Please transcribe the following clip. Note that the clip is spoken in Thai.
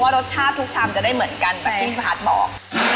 รสชาติทุกชามจะได้เหมือนกันแบบที่พี่พัฒน์บอก